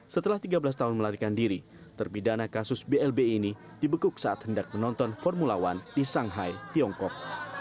setelah tiga belas tahun melarikan diri terpidana kasus blb ini dibekuk saat hendak menonton formula one di shanghai tiongkok